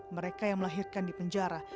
mereka yang melahirkan di penjara